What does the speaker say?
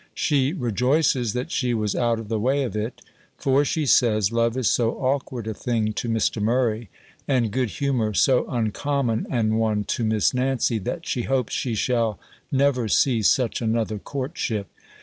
She rejoices that she was out of the way of it: for, she says, love is so awkward a thing to Mr. Murray, and good humour so uncommon an one to Miss Nancy, that she hopes she shall never see such another courtship.